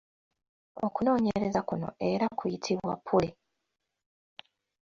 Okunoonyereza kuno era kuyitibwa pule,